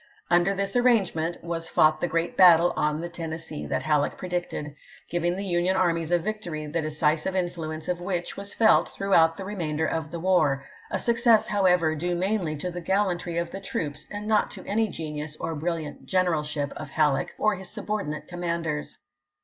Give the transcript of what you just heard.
Under this arrangement was fought the great battle on the Tennessee that Halleck predicted, giving the Union arms a victory the decisive influence of which was felt throughout the remainder of the war; a success, however, due mainly to the gallantry of the troops, and not to any genius or brilliant generalship of Halleck or his subordinate commanders.